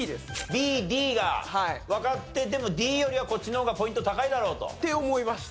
ＢＤがわかっててもＤよりはこっちの方がポイント高いだろうと？って思いました。